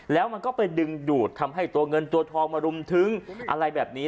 แล้วมันก็ไปดึงดูดทำให้ตัวเงินตัวทองมารุมทึ้งอะไรแบบนี้